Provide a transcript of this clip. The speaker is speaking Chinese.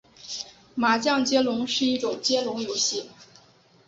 麻将接龙是一种接龙游戏。